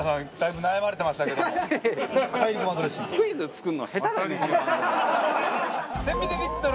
クイズ作るの下手だね